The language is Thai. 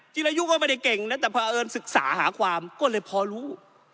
ทีละยุคว่าไม่ได้เก่งนะแต่เผอิญศึกษาหาความก็เลยพอรู้